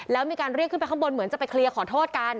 แล้วมีการเรียกขึ้นไปข้างบนเหมือนจะไปเคลียร์ขอโทษกัน